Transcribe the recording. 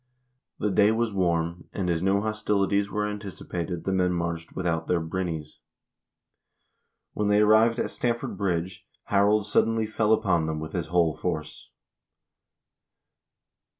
The day was warm, and, as no hostilities were anticipated, the men marched without their brynies. When they arrived at Stamford Bridge, Harold suddenly fell upon them with his whole force.